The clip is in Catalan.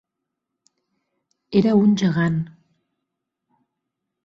Era un gegant.